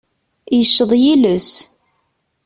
Yeceḍ yiles.